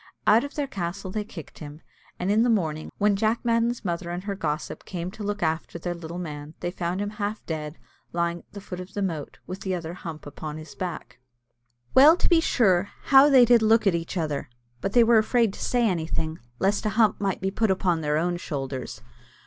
Out of their castle they then kicked him; and in the morning, when Jack Madden's mother and her gossip came to look after their little man, they found him half dead, lying at the foot of the moat, with the other hump upon his back. Well to be sure, how they did look at each other! but they were afraid to say anything, lest a hump might be put upon their own shoulders.